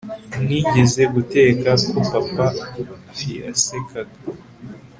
nigeze guteka, ko papa yasekaga